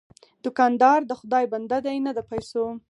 دوکاندار د خدای بنده دی، نه د پیسو.